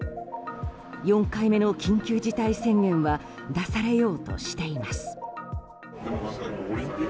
４回目の緊急事態宣言は出されようとしています。